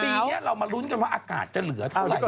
ปีนี้เรามาลุ้นกันว่าอากาศจะเหลือเท่าไหร่